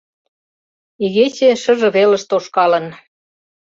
Игече шыже велыш тошкалын.